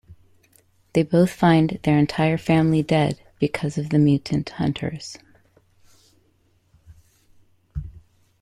They both find their entire family dead because of the mutant hunters.